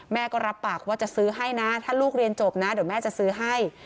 แม่ก็รับปากว่าจะซื้อให้นะถ้าลูกเรียนจบนะเดี๋ยวแม่จะซื้อให้